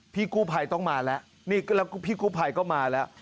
พี่กู้ภัยต้องมาแล้วนี่แล้วพี่กู้ภัยก็มาแล้ว